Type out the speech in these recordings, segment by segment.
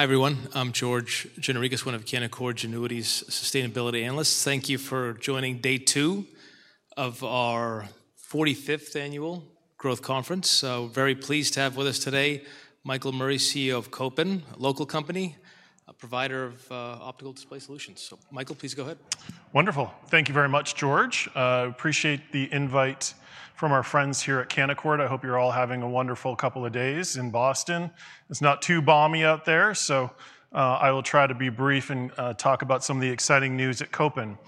Hi everyone, I'm George Gianarikas, one of Canaccord Genuity's sustainability analysts. Thank you for joining day two of our 45th annual growth conference. We're very pleased to have with us today Michael Murray, CEO of Kopin, a local company, a provider of optical display solutions. Michael, please go ahead. Wonderful. Thank you very much, George. I appreciate the invite from our friends here at Canaccord. I hope you're all having a wonderful couple of days in Boston. It's not too balmy out there, so I will try to be brief and talk about some of the exciting news at Kopin.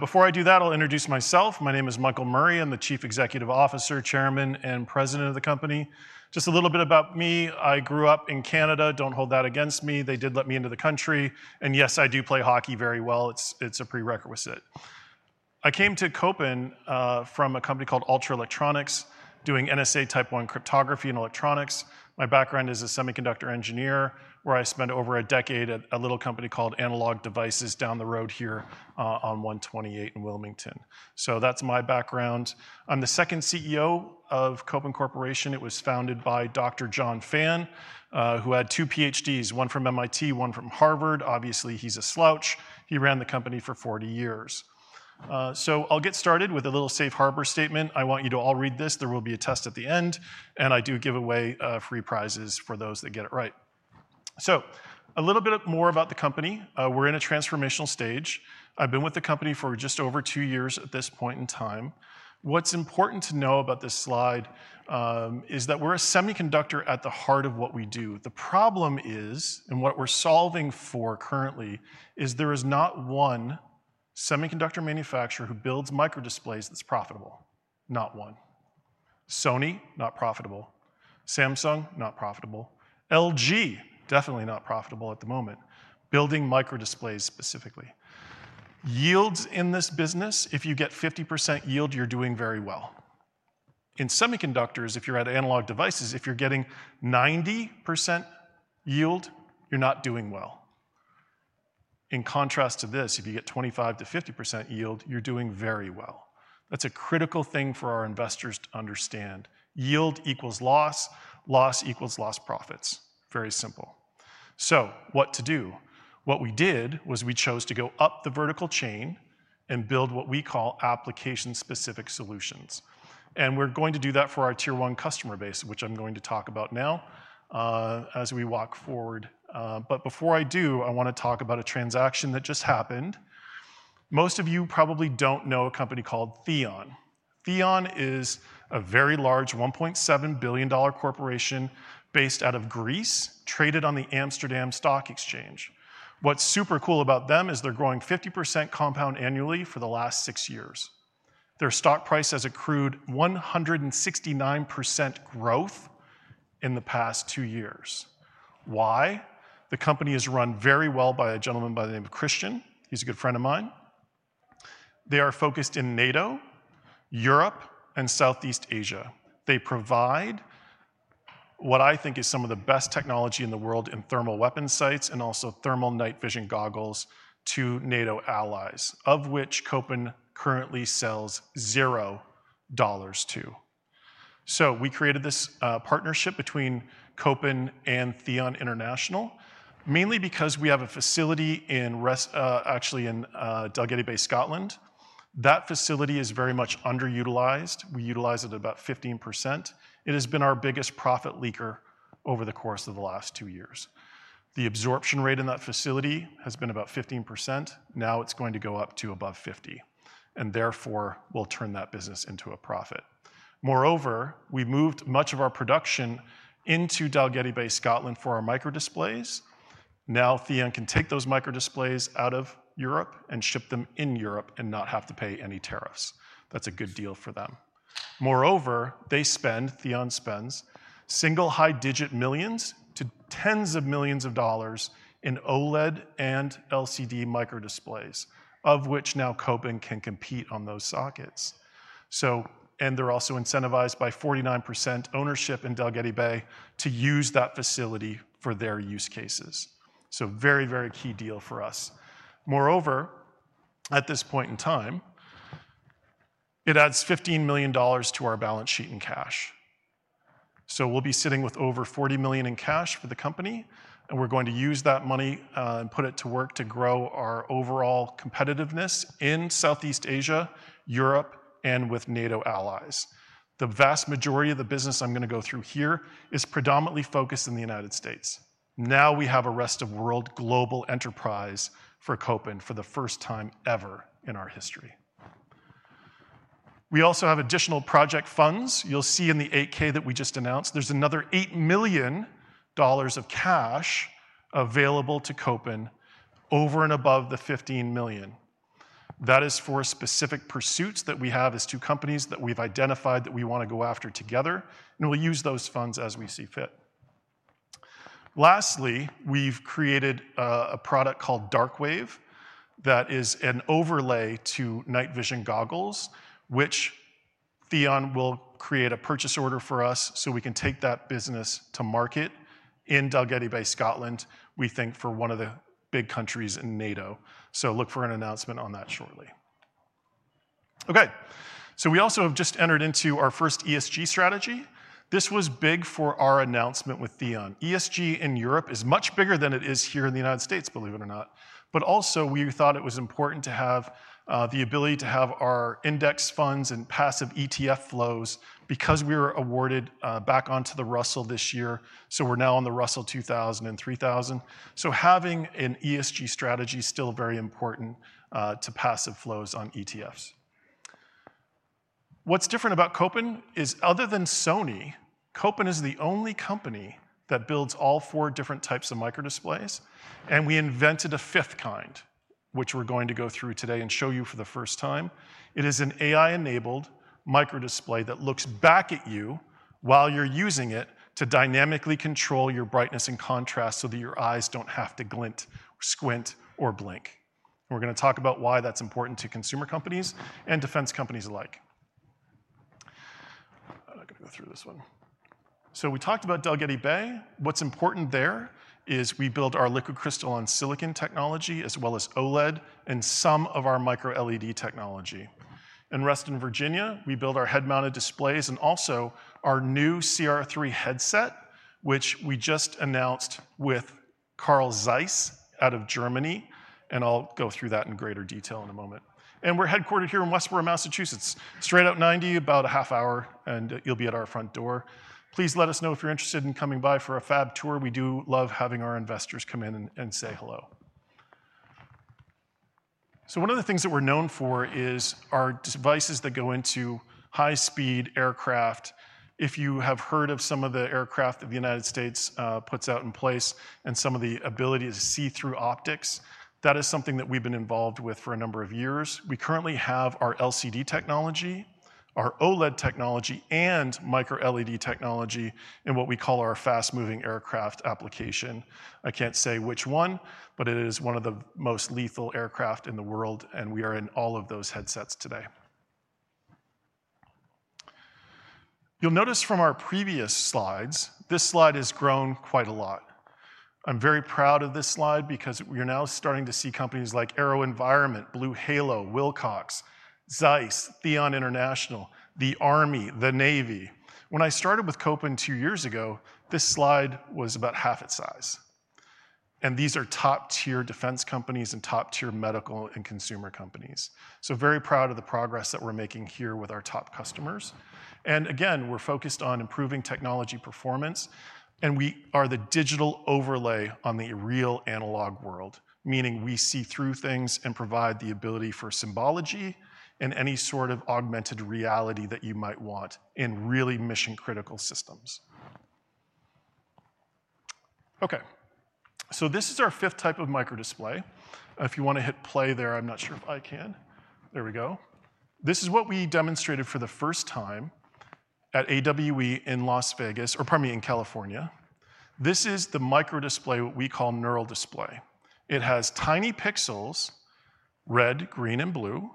Before I do that, I'll introduce myself. My name is Michael Murray. I'm the Chief Executive Officer, Chairman, and President of the company. Just a little bit about me. I grew up in Canada. Don't hold that against me. They did let me into the country. Yes, I do play hockey very well. It's a prerequisite. I came to Kopin from a company called Ultra Electronics, doing NSA Type 1 cryptography and electronics. My background is a semiconductor engineer, where I spent over a decade at a little company called Analog Devices down the road here on 128 in Wilmington. That's my background. I'm the second CEO of Kopin Corporation. It was founded by Dr. John Fan, who had two PhDs, one from MIT, one from Harvard. Obviously, he's a slouch. He ran the company for 40 years. I'll get started with a little safe harbor statement. I want you to all read this. There will be a test at the end, and I do give away free prizes for those that get it right. A little bit more about the company. We're in a transformational stage. I've been with the company for just over two years at this point in time. What's important to know about this slide is that we're a semiconductor at the heart of what we do. The problem is, and what we're solving for currently, is there is not one semiconductor manufacturer who builds microdisplays that's profitable. Not one. Sony, not profitable. Samsung, not profitable. LG, definitely not profitable at the moment, building microdisplays specifically. Yields in this business, if you get 50% yield, you're doing very well. In semiconductors, if you're at Analog Devices, if you're getting 90% yield, you're not doing well. In contrast to this, if you get 25%-50% yield, you're doing very well. That's a critical thing for our investors to understand. Yield equals loss. Loss equals lost profits. Very simple. What to do? What we did was we chose to go up the vertical chain and build what we call application-specific solutions. We're going to do that for our tier-one customer base, which I'm going to talk about now as we walk forward. Before I do, I want to talk about a transaction that just happened. Most of you probably don't know a company called THEON. THEON is a very large $1.7 billion corporation based out of Greece, traded on the Amsterdam Stock Exchange. What's super cool about them is they're growing 50% compound annually for the last six years. Their stock price has accrued 169% growth in the past two years. Why? The company is run very well by a gentleman by the name of Christian. He's a good friend of mine. They are focused in NATO, Europe, and Southeast Asia. They provide what I think is some of the best technology in the world in thermal weapon sights and also thermal night vision goggles to NATO allies, of which Kopin currently sells $0 to. We created this partnership between Kopin and THEON International, mainly because we have a facility in, actually in Dalgety Bay, Scotland. That facility is very much underutilized. We utilize it at about 15%. It has been our biggest profit leaker over the course of the last two years. The absorption rate in that facility has been about 15%. Now it's going to go up to above 50%, and therefore we'll turn that business into a profit. Moreover, we moved much of our production into Dalgety Bay, Scotland for our microdisplays. Now THEON can take those microdisplays out of Europe and ship them in Europe and not have to pay any tariffs. That's a good deal for them. Moreover, THEON spends single high-digit millions to tens of millions of dollars in OLED and LCD microdisplays, of which now Kopin can compete on those sockets. They're also incentivized by 49% ownership in Dalgety Bay to use that facility for their use cases. A very, very key deal for us. Moreover, at this point in time, it adds $15 million to our balance sheet in cash. We'll be sitting with over $40 million in cash for the company, and we're going to use that money and put it to work to grow our overall competitiveness in Southeast Asia, Europe, and with NATO allies. The vast majority of the business I'm going to go through here is predominantly focused in the United States. Now we have a rest of world global enterprise for Kopin for the first time ever in our history. We also have additional project funds. You'll see in the 8-K that we just announced, there's another $8 million of cash available to Kopin over and above the $15 million. That is for specific pursuits that we have as two companies that we've identified that we want to go after together, and we'll use those funds as we see fit. Lastly, we've created a product called DarkWave that is an overlay to night vision goggles, which THEON will create a purchase order for us so we can take that business to market in Dalgety Bay, Scotland. We think for one of the big countries in NATO. Look for an announcement on that shortly. We also have just entered into our first ESG strategy. This was big for our announcement with THEON. ESG in Europe is much bigger than it is here in the United States, believe it or not. We thought it was important to have the ability to have our index funds and passive ETF flows because we were awarded back onto the Russell this year. We're now on the Russell 2000 and 3000. Having an ESG strategy is still very important to passive flows on ETFs. What's different about Kopin is other than Sony, Kopin is the only company that builds all four different types of microdisplays, and we invented a fifth kind, which we're going to go through today and show you for the first time. It is an AI-enabled microdisplay that looks back at you while you're using it to dynamically control your brightness and contrast so that your eyes don't have to glint, squint, or blink. We're going to talk about why that's important to consumer companies and defense companies alike. I'm going to go through this one. We talked about Dalgety Bay. What's important there is we build our liquid crystalline silicon technology as well as OLED and some of our micro-LED technology. In Reston, Virginia, we build our head-mounted displays and also our new CR3 headset, which we just announced with Carl Zeiss out of Germany. I'll go through that in greater detail in a moment. We're headquartered here in Westboro, Massachusetts. Straight up 90, about a half hour, and you'll be at our front door. Please let us know if you're interested in coming by for a fab tour. We do love having our investors come in and say hello. One of the things that we're known for is our devices that go into high-speed aircraft. If you have heard of some of the aircraft that the United States puts out in place and some of the ability to see through optics, that is something that we've been involved with for a number of years. We currently have our LCD technology, our OLED technology, and micro-LED technology in what we call our fast-moving aircraft application. I can't say which one, but it is one of the most lethal aircraft in the world, and we are in all of those headsets today. You'll notice from our previous slides, this slide has grown quite a lot. I'm very proud of this slide because we're now starting to see companies like AeroVironment, BlueHalo, Wilcox, Zeiss, THEON International, the Army, the Navy. When I started with Kopin two years ago, this slide was about half its size. These are top-tier defense companies and top-tier medical and consumer companies. I'm very proud of the progress that we're making here with our top customers. We're focused on improving technology performance, and we are the digital overlay on the real analog world, meaning we see through things and provide the ability for symbology and any sort of augmented reality that you might want in really mission-critical systems. This is our fifth type of microdisplay. If you want to hit play there, I'm not sure if I can. There we go. This is what we demonstrated for the first time at AWE in California. This is the microdisplay, what we call NeuralDisplay. It has tiny pixels, red, green, and blue,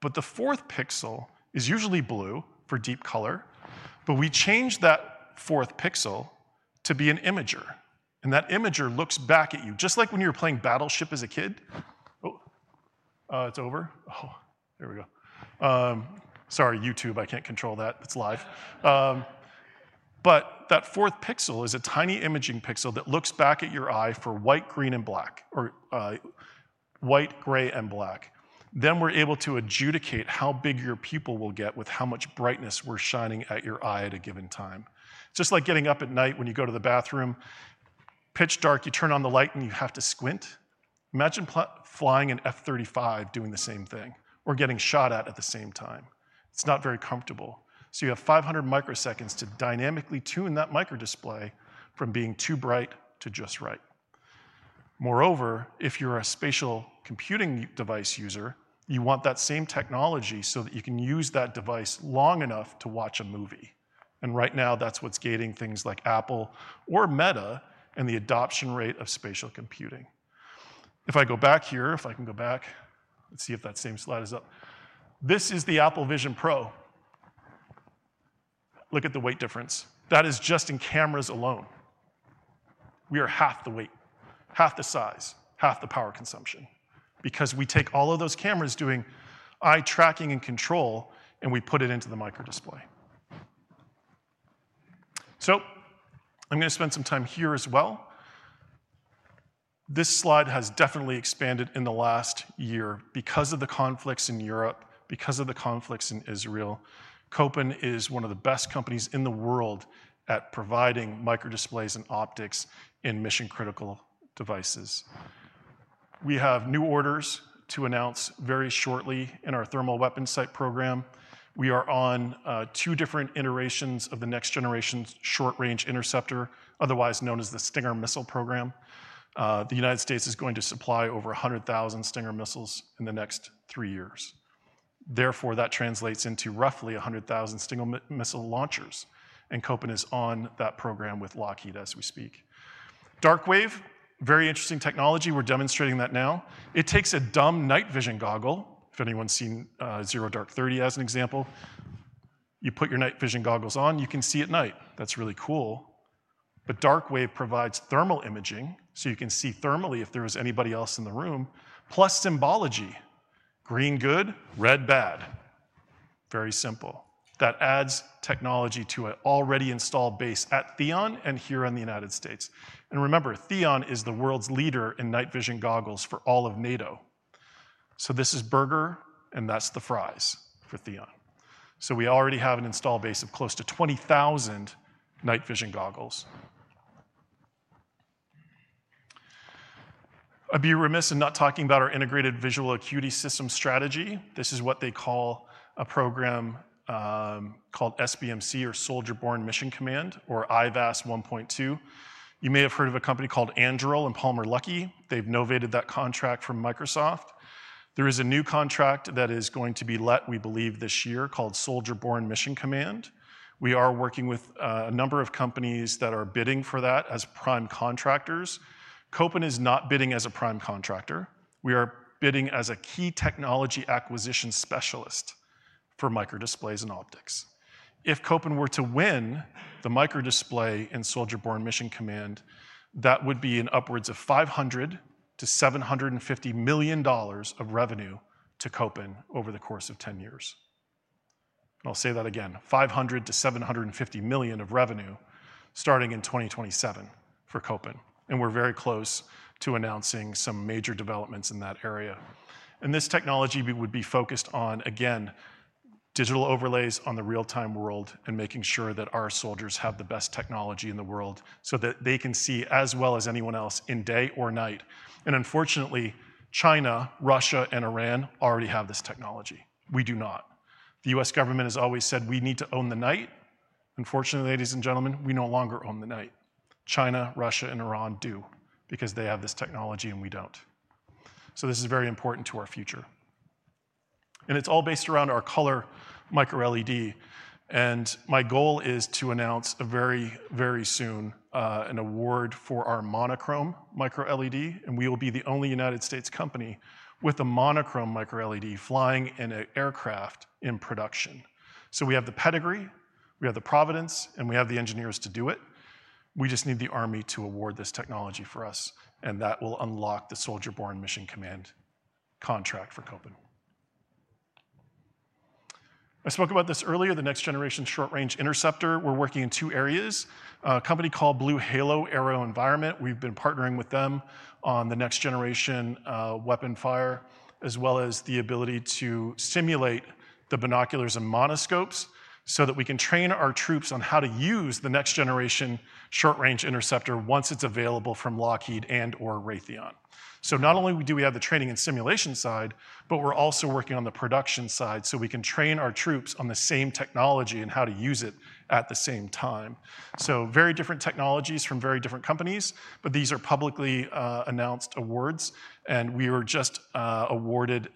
but the fourth pixel is usually blue for deep color. We changed that fourth pixel to be an imager, and that imager looks back at you, just like when you were playing Battleship as a kid. Oh, it's over. There we go. Sorry, YouTube, I can't control that. It's live. That fourth pixel is a tiny imaging pixel that looks back at your eye for white, green, and black, or white, gray, and black. We're able to adjudicate how big your pupil will get with how much brightness we're shining at your eye at a given time. Just like getting up at night when you go to the bathroom, pitch dark, you turn on the light and you have to squint. Imagine flying an F-35 doing the same thing or getting shot at at the same time. It's not very comfortable. You have 500 microseconds to dynamically tune that microdisplay from being too bright to just right. Moreover, if you're a spatial computing device user, you want that same technology so that you can use that device long enough to watch a movie. Right now, that's what's gating things like Apple or Meta and the adoption rate of spatial computing. If I go back here, if I can go back, let's see if that same slide is up. This is the Apple Vision Pro. Look at the weight difference. That is just in cameras alone. We are half the weight, half the size, half the power consumption because we take all of those cameras doing eye tracking and control, and we put it into the microdisplay. I'm going to spend some time here as well. This slide has definitely expanded in the last year because of the conflicts in Europe, because of the conflicts in Israel. Kopin is one of the best companies in the world at providing microdisplays and optics in mission-critical devices. We have new orders to announce very shortly in our thermal weapon sight program. We are on two different iterations of the next-generation short-range interceptor, otherwise known as the Stinger missile program. The United States is going to supply over 100,000 Stinger missiles in the next three years. That translates into roughly 100,000 Stinger missile launchers, and Kopin is on that program with Lockheed as we speak. DarkWave, very interesting technology. We're demonstrating that now. It takes a dumb night vision goggle. If anyone's seen Zero Dark Thirty as an example, you put your night vision goggles on, you can see at night. That's really cool. DarkWave provides thermal imaging, so you can see thermally if there is anybody else in the room, plus symbology. Green good, red bad. Very simple. That adds technology to an already installed base at THEON and here in the United States. Remember, THEON is the world's leader in night vision goggles for all of NATO. This is burger, and that's the fries for THEON. We already have an install base of close to 20,000 night vision goggles. I'd be remiss in not talking about our integrated visual acuity system strategy. This is what they call a program called SBMC or Soldier Born Mission Command or IVAS 1.2. You may have heard of a company called Anduril and Palmer Luckey. They've novated that contract from Microsoft. There is a new contract that is going to be let, we believe, this year called Soldier Born Mission Command. We are working with a number of companies that are bidding for that as prime contractors. Kopin is not bidding as a prime contractor. We are bidding as a key technology acquisition specialist for microdisplays and optics. If Kopin were to win the microdisplay in Soldier Born Mission Command, that would be an upwards of $500 million-$750 million of revenue to Kopin over the course of 10 years. I'll say that again, $500 million-$750 million of revenue starting in 2027 for Kopin. We are very close to announcing some major developments in that area. This technology would be focused on, again, digital overlays on the real-time world and making sure that our soldiers have the best technology in the world so that they can see as well as anyone else in day or night. Unfortunately, China, Russia, and Iran already have this technology. We do not. The U.S. government has always said we need to own the night. Unfortunately, ladies and gentlemen, we no longer own the night. China, Russia, and Iran do because they have this technology and we don't. This is very important to our future. It's all based around our color micro-LED. My goal is to announce very, very soon an award for our monochrome micro-LED, and we will be the only United States company with a monochrome micro-LED flying in an aircraft in production. We have the pedigree, we have the providence, and we have the engineers to do it. We just need the Army to award this technology for us, and that will unlock the Soldier Born Mission Command contract for Kopin. I spoke about this earlier, the next generation short-range interceptor. We're working in two areas. A company called BlueHalo AeroVironment, we've been partnering with them on the next generation weapon fire, as well as the ability to simulate the binoculars and monoscopes so that we can train our troops on how to use the next generation short-range interceptor once it's available from Lockheed and/or Raytheon. Not only do we have the training and simulation side, but we're also working on the production side so we can train our troops on the same technology and how to use it at the same time. These are very different technologies from very different companies, but these are publicly announced awards, and we were just awarded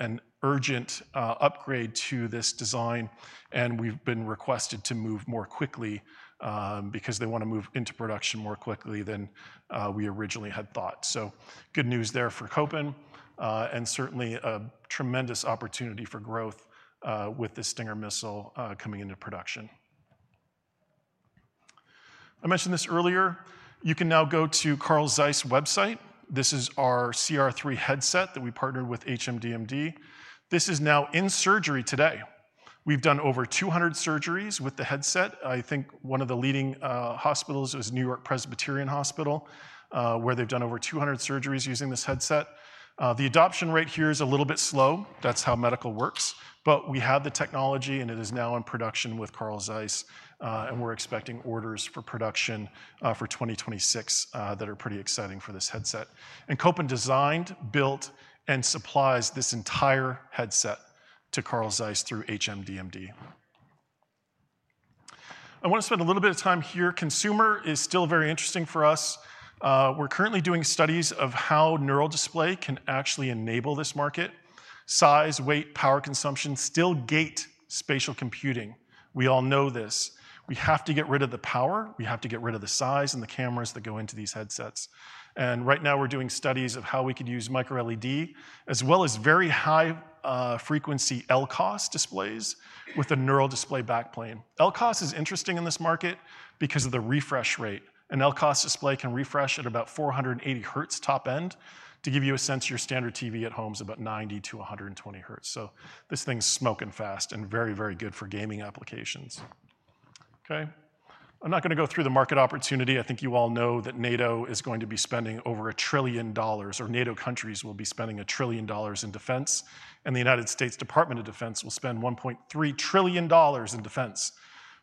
an urgent upgrade to this design, and we've been requested to move more quickly because they want to move into production more quickly than we originally had thought. Good news there for Kopin and certainly a tremendous opportunity for growth with the Stinger missile coming into production. I mentioned this earlier. You can now go to the Carl Zeiss website. This is our CR3 headset that we partnered with HMDmd. This is now in surgery today. We've done over 200 surgeries with the headset. I think one of the leading hospitals is NewYork-Presbyterian Hospital, where they've done over 200 surgeries using this headset. The adoption rate here is a little bit slow. That's how medical works. We have the technology, and it is now in production with Carl Zeiss, and we're expecting orders for production for 2026 that are pretty exciting for this headset. Kopin designed, built, and supplies this entire headset to Carl Zeiss through HMDmd. I want to spend a little bit of time here. Consumer is still very interesting for us. We're currently doing studies of how NeuralDisplay can actually enable this market. Size, weight, power consumption still gate spatial computing. We all know this. We have to get rid of the power. We have to get rid of the size and the cameras that go into these headsets. Right now we're doing studies of how we could use micro-LED as well as very high-frequency LCoS displays with a NeuralDisplay backplane. LCoS is interesting in this market because of the refresh rate. An LCoS display can refresh at about 480 Hz top end. To give you a sense, your standard TV at home is about 90-120 Hz. This thing's smoking fast and very, very good for gaming applications. I'm not going to go through the market opportunity. I think you all know that NATO is going to be spending over $1 trillion, or NATO countries will be spending $1 trillion in defense, and the U.S. Department of Defense will spend $1.3 trillion in defense.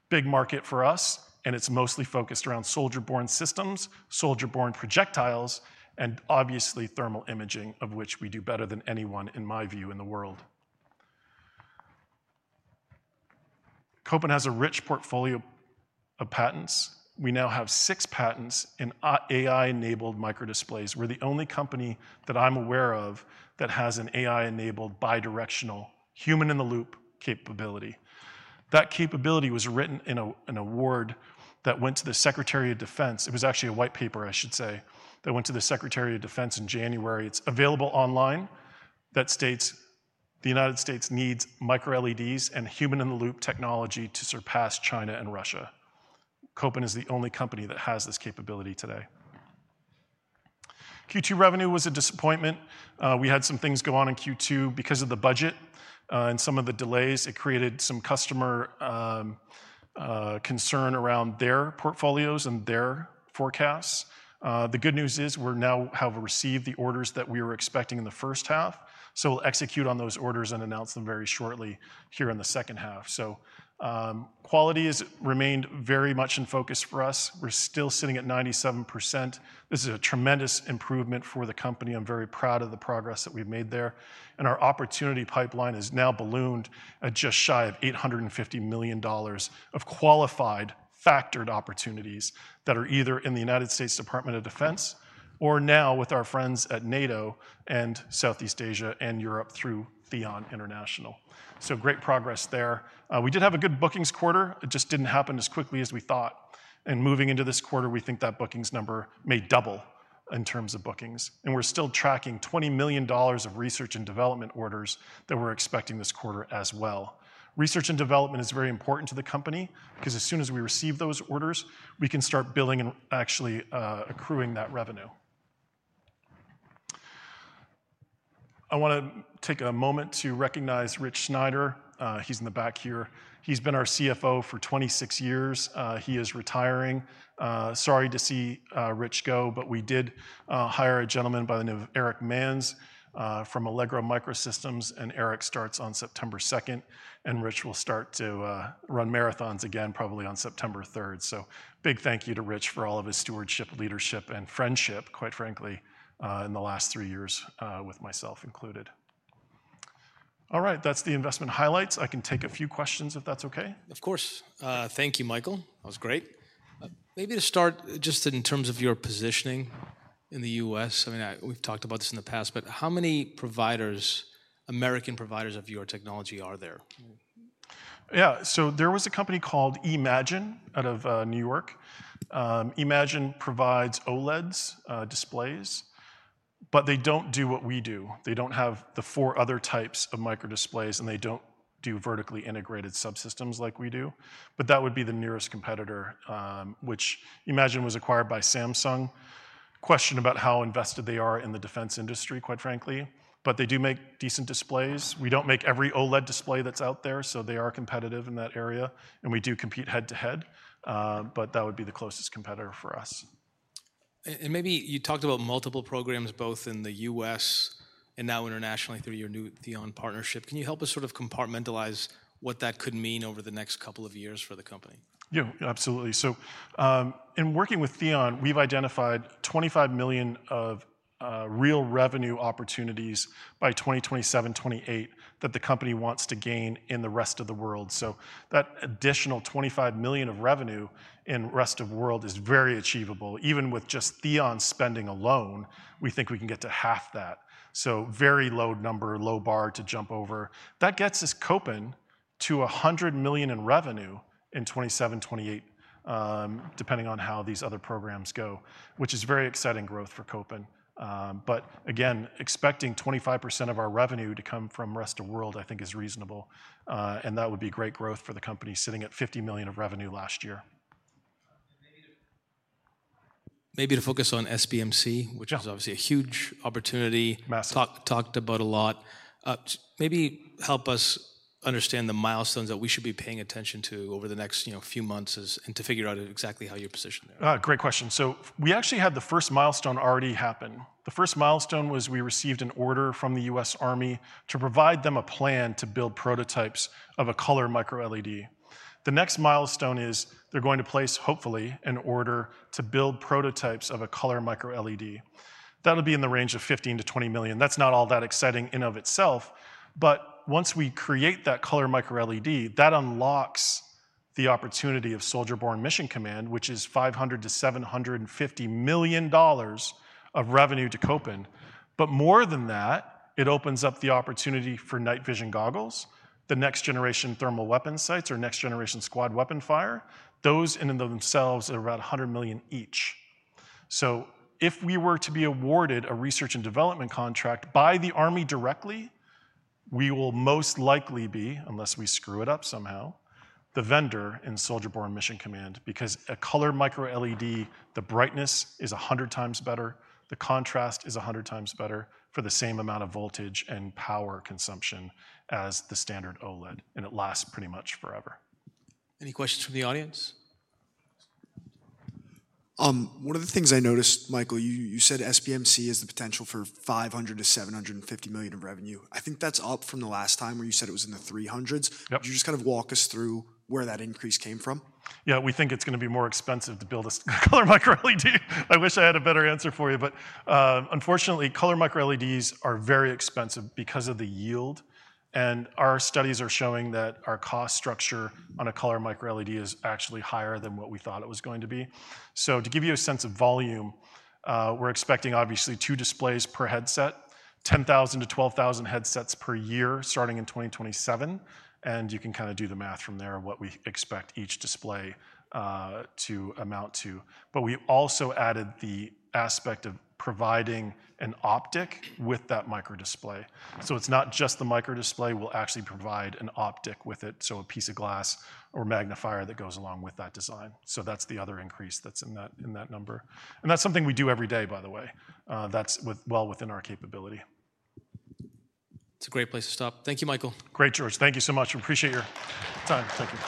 Big market for us, and it's mostly focused around soldier-born systems, soldier-born projectiles, and obviously thermal imaging, of which we do better than anyone, in my view, in the world. Kopin has a rich portfolio of patents. We now have six patents in AI-enabled microdisplays. We're the only company that I'm aware of that has an AI-enabled bidirectional human-in-the-loop capability. That capability was written in an award that went to the Secretary of Defense. It was actually a white paper, I should say, that went to the Secretary of Defense in January. It's available online that states the United States needs micro-LEDs and human-in-the-loop technology to surpass China and Russia. Kopin is the only company that has this capability today. Q2 revenue was a disappointment. We had some things go on in Q2 because of the budget and some of the delays. It created some customer concern around their portfolios and their forecasts. The good news is we now have received the orders that we were expecting in the first half. We'll execute on those orders and announce them very shortly here in the second half. Quality has remained very much in focus for us. We're still sitting at 97%. This is a tremendous improvement for the company. I'm very proud of the progress that we've made there. Our opportunity pipeline is now ballooned at just shy of $850 million of qualified factored opportunities that are either in the U.S. Department of Defense or now with our friends at NATO and Southeast Asia and Europe through THEON International. Great progress there. We did have a good bookings quarter. It just didn't happen as quickly as we thought. Moving into this quarter, we think that bookings number may double in terms of bookings. We're still tracking $20 million of research and development orders that we're expecting this quarter as well. Research and development is very important to the company because as soon as we receive those orders, we can start billing and actually accruing that revenue. I want to take a moment to recognize Rich Sneider. He's in the back here. He's been our CFO for 26 years. He is retiring. Sorry to see Rich go, but we did hire a gentleman by the name of Erich Manz from Allegro MicroSystems, and Erich starts on September 2nd, and Rich will start to run marathons again probably on September 3rd. Big thank you to Rich for all of his stewardship, leadership, and friendship, quite frankly, in the last three years with myself included. All right, that's the investment highlights. I can take a few questions if that's okay. Of course. Thank you, Michael. That was great. Maybe to start just in terms of your positioning in the U.S., I mean, we've talked about this in the past, but how many providers, American providers of your technology are there? Yeah, so there was a company called eMagin out of New York. eMagin provides OLED displays, but they don't do what we do. They don't have the four other types of microdisplays, and they don't do vertically integrated subsystems like we do. That would be the nearest competitor, which eMagin was acquired by Samsung. Question about how invested they are in the defense industry, quite frankly. They do make decent displays. We don't make every OLED display that's out there, so they are competitive in that area, and we do compete head-to-head. That would be the closest competitor for us. You talked about multiple programs both in the U.S. and now internationally through your new THEON partnership. Can you help us sort of compartmentalize what that could mean over the next couple of years for the company? Absolutely. In working with THEON, we've identified $25 million of real revenue opportunities by 2027, 2028 that the company wants to gain in the rest of the world. That additional $25 million of revenue in the rest of the world is very achievable. Even with just THEON spending alone, we think we can get to half that. Very low number, low bar to jump over. That gets us, Kopin, to $100 million in revenue in 2027, 2028, depending on how these other programs go, which is very exciting growth for Kopin. Expecting 25% of our revenue to come from the rest of the world, I think is reasonable. That would be great growth for the company sitting at $50 million of revenue last year. Maybe to focus on SBMC, which is obviously a huge opportunity, talked about a lot. Maybe help us understand the milestones that we should be paying attention to over the next few months and to figure out exactly how you're positioned. Great question. We actually had the first milestone already happen. The first milestone was we received an order from the U.S. Army to provide them a plan to build prototypes of a color micro-LED. The next milestone is they're going to place, hopefully, an order to build prototypes of a color micro-LED. That'll be in the range of $15 million-$20 million. That's not all that exciting in and of itself. Once we create that color micro-LED, that unlocks the opportunity of Soldier Born Mission Command, which is $500 million-$750 million of revenue to Kopin. More than that, it opens up the opportunity for night vision goggles, the next-generation thermal weapon sights, or next-generation squad weapon fire. Those in and of themselves are about $100 million each. If we were to be awarded a research and development contract by the Army directly, we will most likely be, unless we screw it up somehow, the vendor in Soldier Born Mission Command, because a color micro-LED, the brightness is 100x better, the contrast is 100x better for the same amount of voltage and power consumption as the standard OLED, and it lasts pretty much forever. Any questions from the audience? One of the things I noticed, Michael, you said SBMC has the potential for $500 million-$750 million of revenue. I think that's up from the last time where you said it was in the $300 millions. Could you just kind of walk us through where that increase came from? Yeah, we think it's going to be more expensive to build a color micro-LED. I wish I had a better answer for you, but unfortunately, color micro-LEDs are very expensive because of the yield. Our studies are showing that our cost structure on a color micro-LED is actually higher than what we thought it was going to be. To give you a sense of volume, we're expecting obviously two displays per headset, 10,000-12,000 headsets per year starting in 2027. You can kind of do the math from there of what we expect each display to amount to. We also added the aspect of providing an optic with that microdisplay. It's not just the microdisplay, we'll actually provide an optic with it, a piece of glass or magnifier that goes along with that design. That's the other increase that's in that number. That's something we do every day, by the way. That's well within our capability. It's a great place to stop. Thank you, Michael. Great, George. Thank you so much. Appreciate your time. Thank you.